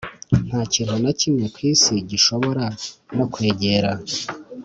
nta kintu na kimwe ku isi gishobora no kwegera-